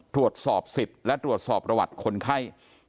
ตรวจสอบสิทธิ์และตรวจสอบประวัติคนไข้